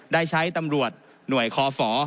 ได้ใช้ตำรวจหน่วยคอฝ